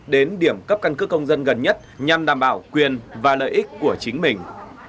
đến điểm cấp căn cước công dân gần nhất nhằm đảm bảo quyền và lợi ích của chính mình